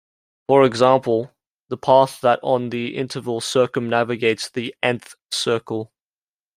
For example, the path that on the interval circumnavigates the "n"th circle.